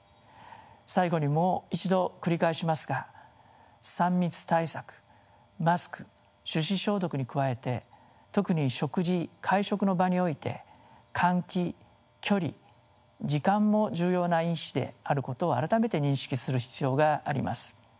最後にもう一度繰り返しますが３密対策マスク手指消毒に加えて特に食事会食の場において換気距離時間も重要な因子であることを改めて認識する必要があります。